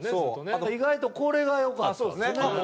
あと意外とこれが良かったんですよね。